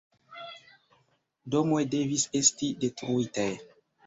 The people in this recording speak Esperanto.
Domoj devis esti detruitaj.